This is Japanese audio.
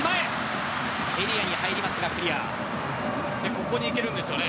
ここに行けるんですよね。